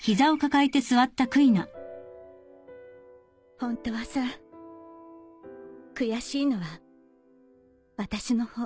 ホントはさ悔しいのは私の方